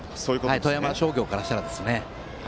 富山商業からしたらですね。